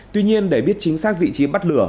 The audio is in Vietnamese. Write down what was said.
tuy nhiên để biết chính xác vị trí bắt lửa